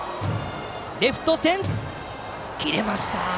レフト線切れました。